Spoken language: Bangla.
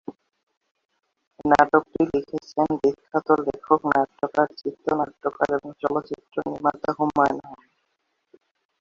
নাটকটি লিখেছেন বিখ্যাত লেখক, নাট্যকার, চিত্রনাট্যকার এবং চলচ্চিত্র নির্মাতা হুমায়ূন আহমেদ।